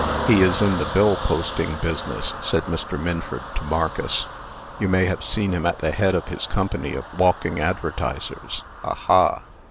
"He is in the bill posting business," said Mr. Minford to Marcus. "You may have seen him at the head of his company of walking advertisers. Ha! ha!"